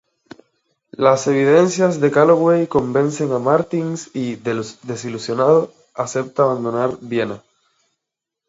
Las evidencias de Calloway convencen a Martins y, desilusionado, acepta abandonar Viena.